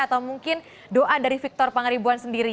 atau mungkin doa dari victor pangaribuan sendiri